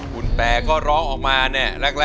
บุญแปรร้อง